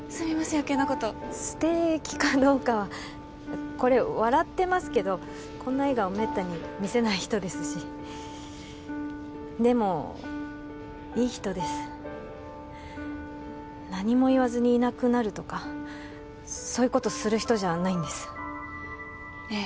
余計なこと素敵かどうかはこれ笑ってますけどこんな笑顔めったに見せない人ですしでもいい人です何も言わずにいなくなるとかそういうことする人じゃないんですええ